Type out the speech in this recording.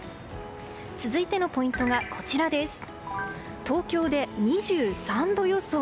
続いてのポイントは東京で２３度予想。